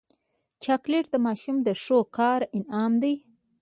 چاکلېټ د ماشوم د ښو کار انعام دی.